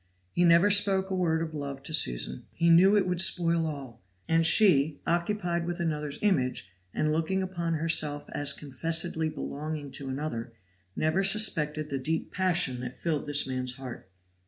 He never spoke a word of love to Susan, he knew it would spoil all; and she, occupied with another's image, and looking upon herself as confessedly belonging to another, never suspected the deep passion that filled this man's heart.